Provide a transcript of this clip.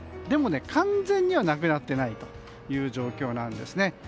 でも完全にはなくなっていないという状況なんですね。